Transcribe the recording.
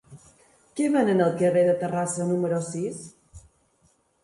Què venen al carrer de Terrassa número sis?